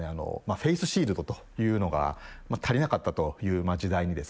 フェイスシールドというのが足りなかったという時代にですね